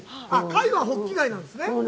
貝はホッキ貝なんですね。